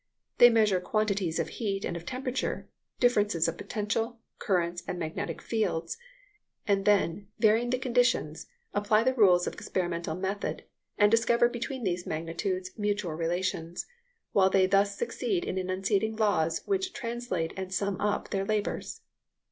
They measure quantities of heat and of temperature, differences of potential, currents, and magnetic fields; and then, varying the conditions, apply the rules of experimental method, and discover between these magnitudes mutual relations, while they thus succeed in enunciating laws which translate and sum up their labours.